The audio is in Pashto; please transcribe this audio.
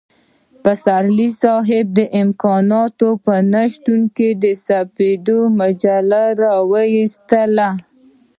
پسرلی صاحب د امکاناتو په نشتون کې د سپېدې مجله را وايستله.